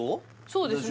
そうです